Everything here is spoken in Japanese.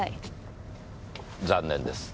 残念です。